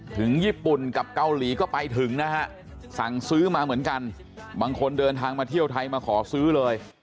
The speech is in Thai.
ถึงญี่ปุ่นกับเกาหลีก็ไปถึงนะฮะสั่งซื้อมาเหมือนกันบางคนเดินทางมาเที่ยวไทยมาขอซื้อเลย